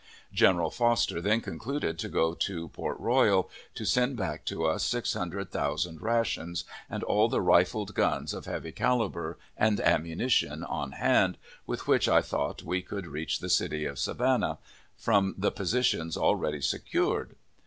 General Foster then concluded to go on to Port Royal, to send back to us six hundred thousand rations, and all the rifled guns of heavy calibre, and ammunition on hand, with which I thought we could reach the city of Savannah, from the positions already secured.